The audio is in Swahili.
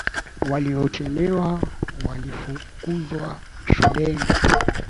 Waliochelewa walifukuzwa shuleni.